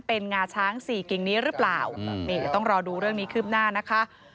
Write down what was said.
เป็นงาช้างสี่กิ่งนี้หรือเปล่านี่เดี๋ยวต้องรอดูเรื่องนี้คืบหน้านะคะ